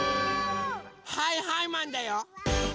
はいはいマンだよ！